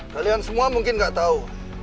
kalian semua mungkin gak tau